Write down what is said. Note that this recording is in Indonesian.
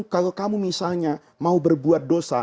kalau kamu misalnya mau berbuat dosa